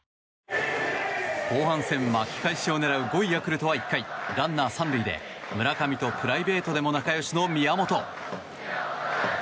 後半戦、巻き返しを狙う５位ヤクルトは、１回ランナー３塁で村上とプライベートでも仲良しの宮本。